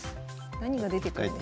何が出てくるんでしょう。